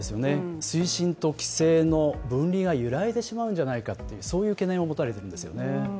水深と規制の分離が揺らいでしまうんではないかという懸念を持たれているんですよね。